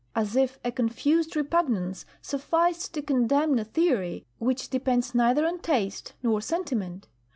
As if a confused repugnance sufficed to condemn a theory which depends neither on taste nor sentiment!